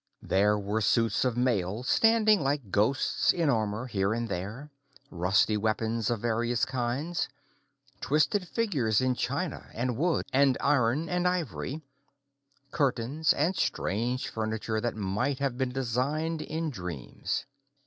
There were suits of mail standing like ghosts in armour here and there; rusty weapons of various kinds; twisted figures in china, and wood, and iron, and ivory; curtains, and strange furniture that might have been designed in dreams.